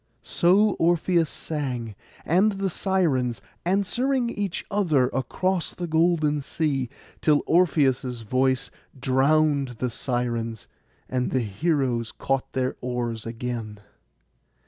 So Orpheus sang, and the Sirens, answering each other across the golden sea, till Orpheus' voice drowned the Sirens', and the heroes caught their oars again.